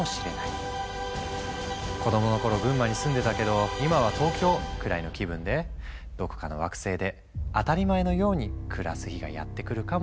「子供の頃群馬に住んでたけど今は東京」くらいの気分でどこかの惑星で当たり前のように暮らす日がやって来るかもしれないね。